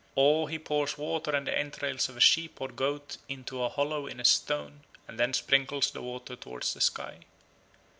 Or he pours water and the entrails of a sheep or goat into a hollow in a stone and then sprinkles the water towards the sky.